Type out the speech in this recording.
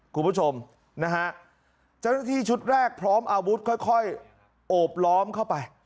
คุณผู้ชมนะฮะเจ้าหน้าที่ชุดแรกพร้อมอาวุธค่อยโอบล้อมเข้าไป